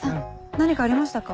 何かありましたか？